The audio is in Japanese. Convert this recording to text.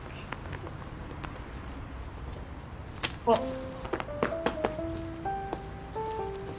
あっ。